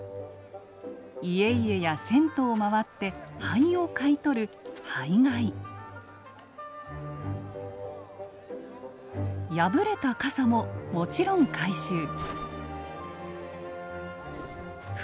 家々や銭湯を回って灰を買い取る破れた傘ももちろん回収。